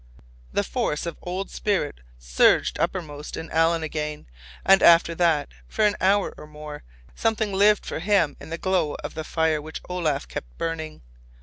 The force of the old spirit surged uppermost in Alan again, and after that, for an hour or more, something lived for him in the glow of the fire which Olaf kept burning.